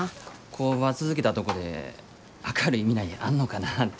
工場続けたとこで明るい未来あんのかなぁて。